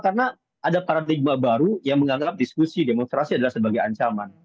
karena ada paradigma baru yang menganggap diskusi demonstrasi adalah sebagai ancaman